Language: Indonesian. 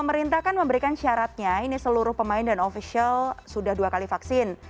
pemerintah kan memberikan syaratnya ini seluruh pemain dan ofisial sudah dua kali vaksin